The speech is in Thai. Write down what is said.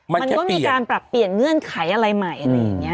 มันก็มีการปรับเปลี่ยนเงื่อนไขอะไรใหม่